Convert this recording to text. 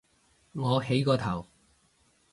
我起個頭